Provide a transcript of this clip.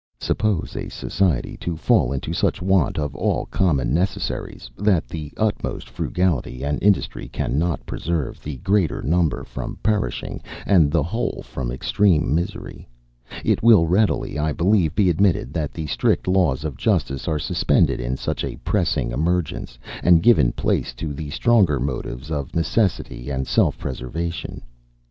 Suppose a society to fall into such want of all common necessaries, that the utmost frugality and industry cannot preserve the greater number from perishing, and the whole from extreme misery. It will readily, I believe, be admitted that the strict laws of justice are suspended in such a pressing emergence, and give place to the stronger motives of necessity and self preservation.